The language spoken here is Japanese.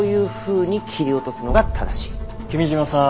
君嶋さん